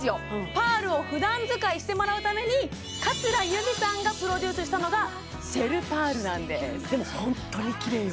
パールを普段使いしてもらうために桂由美さんがプロデュースしたのがシェルパールなんですでもホントにキレイよね